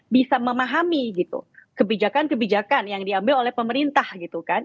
bisa memahami gitu kebijakan kebijakan yang diambil oleh pemerintah gitu kan